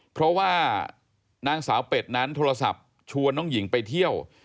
เพราะว่านางสาวเป็ดนั้นโทรศัพท์ชวนน้องหญิงไปเที่ยว